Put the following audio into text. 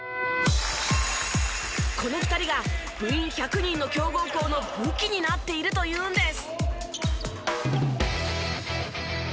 この２人が部員１００人の強豪校の武器になっているというんです。